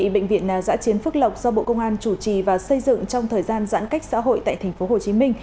bệnh viện giã chiến phước lộc do bộ công an chủ trì và xây dựng trong thời gian giãn cách xã hội tại tp hcm